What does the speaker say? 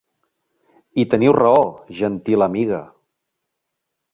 -I teniu raó, gentil amiga.